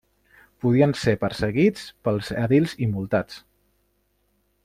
Podien ser perseguits pels edils i multats.